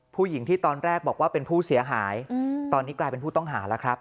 ผู้หญิงที่ตอนแรกบอกว่าเป็นผู้เสียหายตอนนี้กลายเป็นผู้ต้องหาแล้วครับ